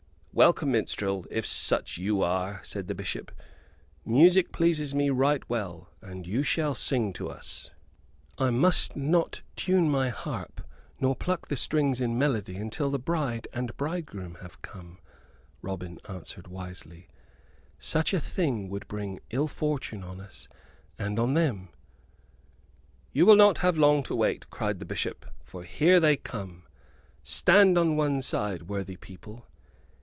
"Welcome, minstrel, if such you are," said the Bishop. "Music pleases me right well, and you shall sing to us." "I must not tune my harp nor pluck the strings in melody until the bride and bridegroom have come," Robin answered, wisely; "such a thing would bring ill fortune on us, and on them." "You will not have long to wait," cried the Bishop, "for here they come. Stand on one side, worthy people."